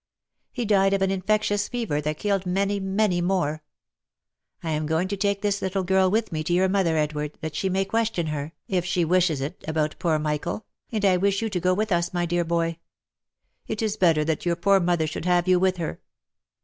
He died of an infectious fever that killed many, many more. I am going to take this little girl with me to your mother, Edward, that she may question her, if she wishes it, about poor Michael, and I wish you to go with us, my dear boy ; it is better that your poor mother should have you with her."